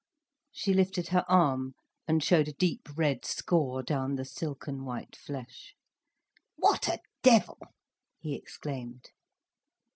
She lifted her arm and showed a deep red score down the silken white flesh. "What a devil!" he exclaimed.